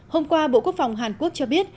hôm qua bộ quốc phòng hàn quốc cho biết